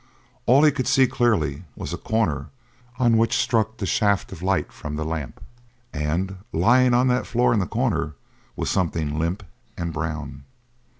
All he could see clearly was a corner on which struck the shaft of light from the lamp, and lying on the floor in that corner was something limp and brown.